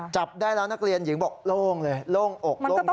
จับได้แล้วนักเรียนหญิงบอกโล่งเลยโล่งอกโล่ง